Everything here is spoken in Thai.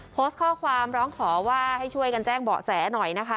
โพสต์ข้อความร้องขอว่าให้ช่วยกันแจ้งเบาะแสหน่อยนะคะ